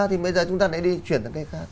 thì bây giờ chúng ta lại đi chuyển sang cây khác